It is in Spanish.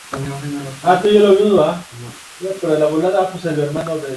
Contiene un sample de "Hollywood Hot" de Eleventh Hour.